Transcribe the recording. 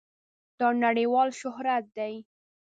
دا نړېوال شهرت دی.